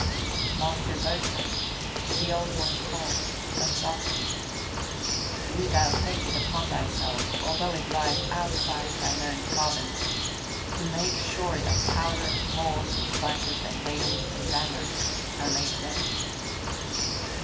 "Master Boatswain," the Old One called, but softly, "do thou take it upon thyself, although it lies outside thine own province, to make sure that powder and balls and sponges and ladles and rammers are laid ready."